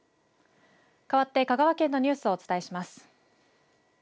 かわって香川県のニュースをお伝えします。